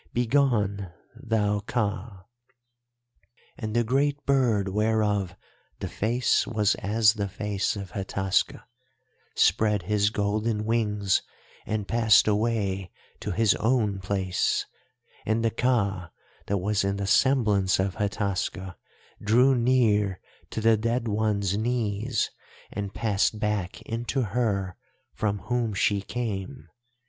Begone, thou Ka!' "And the great bird whereof the face was as the face of Hataska spread his golden wings and passed away to his own place, and the Ka that was in the semblance of Hataska drew near to the dead one's knees, and passed back into her from whom she came.